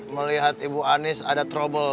melihat ibu anies ada trouble